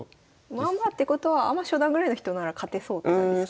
まあまあってことはアマ初段ぐらいの人なら勝てそうって感じですか？